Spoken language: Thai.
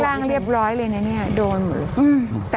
กรมป้องกันแล้วก็บรรเทาสาธารณภัยนะคะ